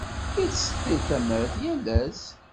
Yettseṭṭil tamar yal ass.